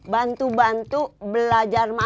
bantu bantu belajar masak